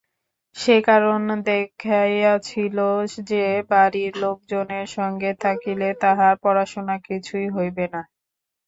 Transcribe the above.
সে কারণ দেখাইয়াছিল যে, বাড়ির লোকজনের সঙ্গে থাকিলে তাহার পড়াশুনা কিছুই হইবে না।